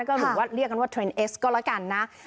ก็หรือว่าเรียกกันว่าเทรนดเอสก็แล้วกันนะ